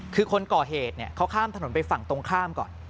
คือคนก่อเหตุเขาข้ามถนนไปฝั่งตรงข้ามก่อน